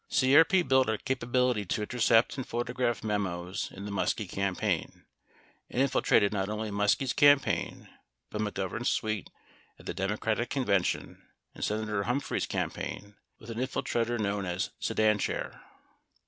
46 CRP built a capability to intercept and photograph memos in the Muskie campaign, and infiltrated not only Muskie's campaign but McGovern's suite at the Democratic Convention and Senator Humph rey's campaign (with an infiltrator known as Sedan Chair).